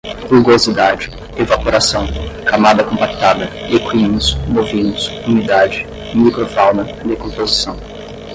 rugosidade, evaporação, camada compactada, equinos, bovinos, humidade, micro-fauna, decomposição